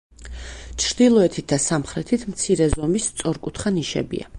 ჩრდილოეთით და სამხრეთით მცირე ზომის სწორკუთხა ნიშებია.